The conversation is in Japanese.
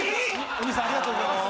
・お兄さんありがとうございます